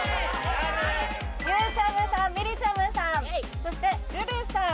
ゆうちゃみさんみりちゃむさんそして流瑠さん